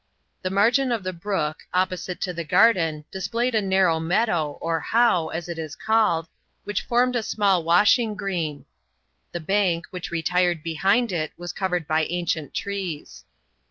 The margin of the brook, opposite to the garden, displayed a narrow meadow, or haugh, as it was called, which formed a small washing green; the bank, which retired behind it, was covered by ancient trees.